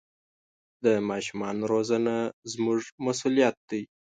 د ماشومانو روزنه زموږ مسوولیت دی.